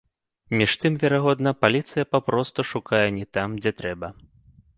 Між тым, верагодна, паліцыя папросту шукае не там, дзе трэба.